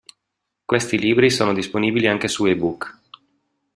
Questi libri sono disponibili anche su eBook.